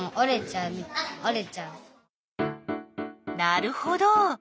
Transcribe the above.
なるほど。